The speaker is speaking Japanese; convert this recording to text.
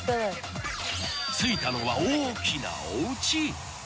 ［着いたのは大きなおうち］